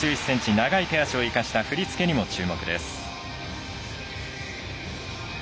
長い手足を生かした振り付けにも注目です。